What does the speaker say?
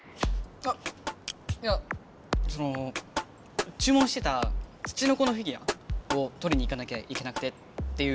あっいやそのちゅう文してたツチノコのフィギュアをとりに行かなきゃいけなくてっていう。